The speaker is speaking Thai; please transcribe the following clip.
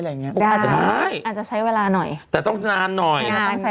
ได้จะใช้เวลาหน่อยแต่ต้องที่จะนานนอย